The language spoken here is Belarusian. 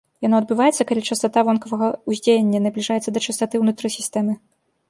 Яно адбываецца, калі частата вонкавага ўздзеяння набліжаецца да частаты ўнутры сістэмы.